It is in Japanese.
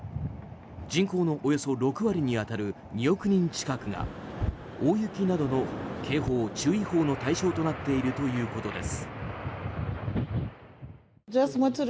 人口のおよそ６割に当たる２億人近くが大雪などの警報・注意報の対象となっているということです。